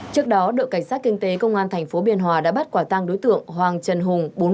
trước đó đội cảnh sát kinh tế công an tp biên hòa đã bắt quả tang đối tượng hoàng trần hùng